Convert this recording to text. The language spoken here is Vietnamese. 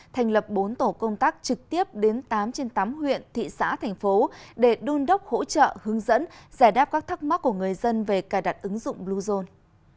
thành lập bốn tổ công tác trực tiếp đến tám trên tám huyện thị xã thành phố để đun đốc hỗ trợ hướng dẫn giải đáp các thắc mắc của người dân về cài đặt ứng dụng bluezone